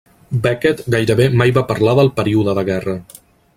Beckett gairebé mai va parlar del període de guerra.